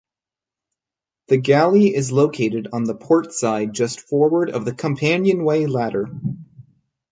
The galley is located on the port side just forward of the companionway ladder.